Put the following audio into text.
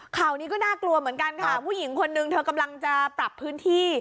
ข่าวนี้ก็น่ากลัวเหมือนกันค่ะผู้หญิงคนนึงเธอกำลังจะปรับพื้นที่